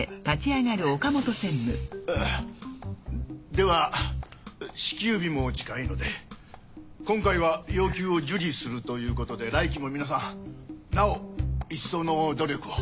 では支給日も近いので今回は要求を受理するということで来期も皆さんなおいっそうの努力を。